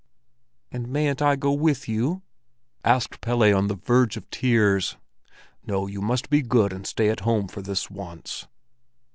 "And mayn't I go with you?" asked Pelle on the verge of tears. "No, you must be good and stay at home for this once."